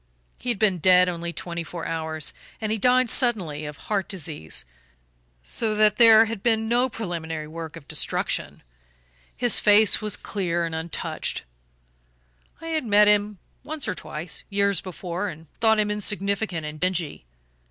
He had been dead only twenty four hours, and he died suddenly, of heart disease, so that there had been no preliminary work of destruction his face was clear and untouched. I had met him once or twice, years before, and thought him insignificant and dingy.